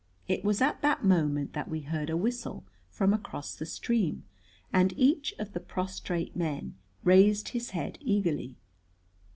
It was at that moment that we heard a whistle from across the stream, and each of the prostrate men raised his head eagerly.